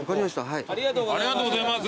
ありがとうございます。